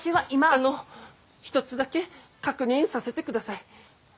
あの一つだけ確認させてください。